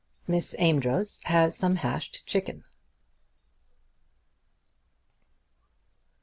MISS AMEDROZ HAS SOME HASHED CHICKEN.